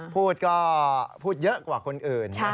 พูดก็พูดเยอะกว่าคนอื่น